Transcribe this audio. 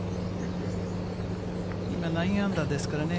今、９アンダーですからね。